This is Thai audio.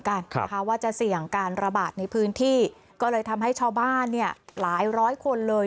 กันนะคะว่าจะเสี่ยงการระบาดในพื้นที่ก็เลยทำให้ชาวบ้านเนี่ยหลายร้อยคนเลย